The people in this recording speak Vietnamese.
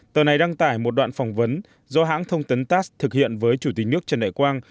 tờ này đăng tải một đoạn phỏng vấn do hãng thông tấn tass thực hiện với chủ tịch nước trần đại quang